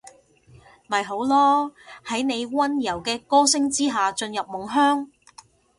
咪好囉，喺你溫柔嘅歌聲之下進入夢鄉